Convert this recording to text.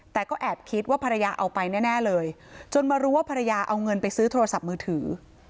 แต่ก็แอบคิดว่าภรรยาเอาไปแน่เลยจนมารู้ว่าภรรยาเอาเงินไปซื้อโทรศัพท์มือถือ